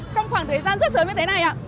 trong khoảng thời gian rất sớm như thế này